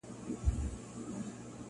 په زړه سخت په خوى ظالم لکه شداد وو-